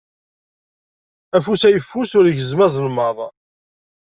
Afus ayeffus ur igezzem azelmaḍ.